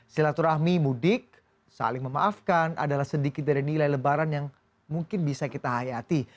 silaturahmi mudik saling memaafkan adalah sedikit dari nilai lebaran yang mungkin bisa kita hayati